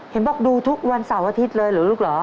เห็นบอกดูทุกวันเสาร์อาทิตย์เลยเหรอลูกเหรอ